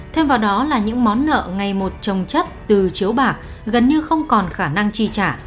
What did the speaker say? thêm vào đó là những món nợ ngày một trồng chất từ chiếu bạc gần như không còn khả năng chi trả